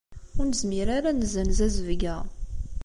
Ur nezmir ara ad nessenz azebg-a.